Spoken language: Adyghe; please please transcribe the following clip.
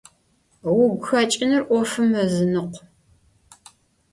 Vugu kheç'ınıri 'ofım yizınıkhu.